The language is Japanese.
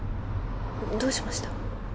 どうしました？